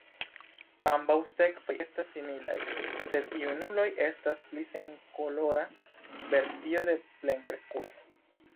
Ambaŭ seksoj estas similaj, sed junuloj estas pli senkolora versio de plenkreskuloj.